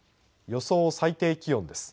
予想最低気温です。